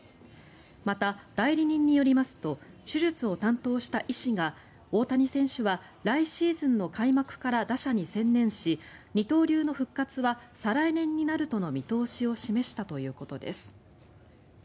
また、代理人によりますと手術を担当した医師が大谷選手は来シーズンの開幕から打者に専念し二刀流の復活は再来年になるとの見通しを示したということです。